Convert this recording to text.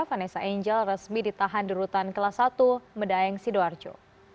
vanessa angel resmi ditahan di rutan kelas satu medaeng sidoarjo